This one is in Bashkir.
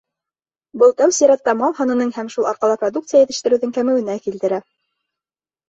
Был тәү сиратта мал һанының һәм шул арҡала продукция етештереүҙең кәмеүенә килтерә.